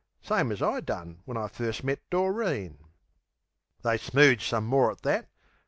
(Same as I done when I first met Doreen.) They smooge some more at that.